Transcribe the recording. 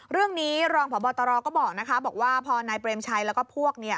เรื่องนี้รองผ่อบอตรก็บอกนะคะบอกว่าพอนายเบรมชัยแล้วก็พวกนี้